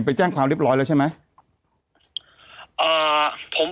ไปแจ้งความเรียบร้อยแล้วใช่ไหม